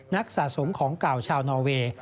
สะสมของเก่าชาวนอเวย์